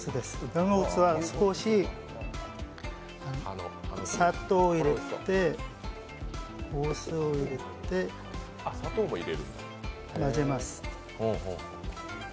ヨルムクッスは少し、砂糖を入れてお酢を入れて混ぜます。